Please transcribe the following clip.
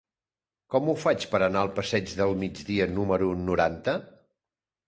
Com ho faig per anar al passeig del Migdia número noranta?